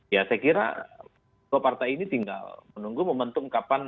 ya saya kira dua partai ini tinggal menunggu momentum kapan